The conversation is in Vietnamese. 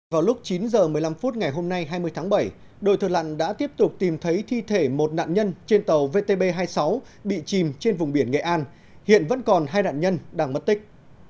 vào lúc chín h một mươi năm phút ngày hôm nay hai mươi tháng bảy đội thợ lặn đã tiếp tục tìm thấy thi thể một nạn nhân trên tàu vtb hai mươi sáu bị chìm trên vùng biển nghệ an hiện vẫn còn hai nạn nhân đang mất tích